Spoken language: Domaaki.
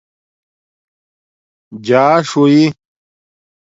جاݽ ہݸئ